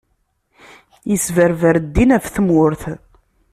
Isberber ddin ɣef tmurt.